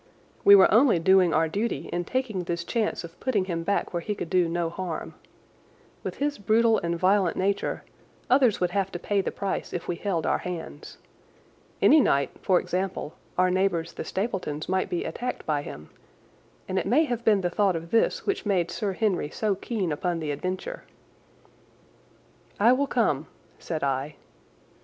We were only doing our duty in taking this chance of putting him back where he could do no harm. With his brutal and violent nature, others would have to pay the price if we held our hands. Any night, for example, our neighbours the Stapletons might be attacked by him, and it may have been the thought of this which made Sir Henry so keen upon the adventure. "I will come," said I.